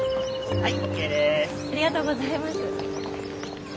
はい。